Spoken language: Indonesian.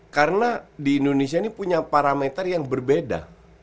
karena di indonesia ini punya parameter yang berbeda